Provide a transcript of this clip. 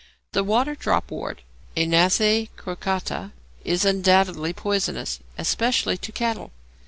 The water dropwort (Oenanthe crocata) is undoubtedly poisonous, especially to cattle.